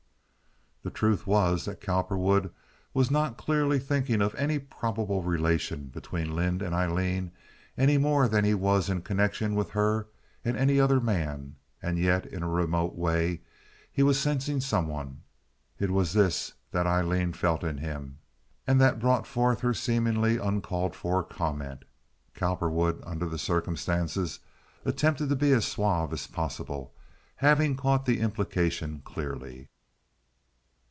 The truth was that Cowperwood was not clearly thinking of any probable relation between Lynde and Aileen any more than he was in connection with her and any other man, and yet in a remote way he was sensing some one. It was this that Aileen felt in him, and that brought forth her seemingly uncalled for comment. Cowperwood, under the circumstances, attempted to be as suave as possible, having caught the implication clearly.